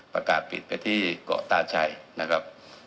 ประกาศปิดไปที่เกาะตาชัยนะครับ